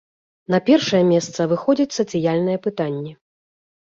На першае месца выходзяць сацыяльныя пытанні.